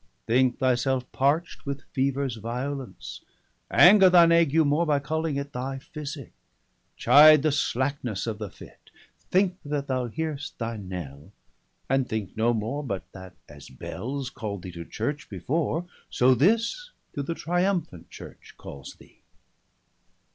95 Thinke thy selfe parch'd with fevers violence, Anger thine ague more, by calling it Thy Physicke; chide the slacknesse of the fit. Thinke that thou hear'st thy knell, and think no more, But that, as Bels cal'd thee to Church before, 100 So this, to the Triumphant Church, calls thee.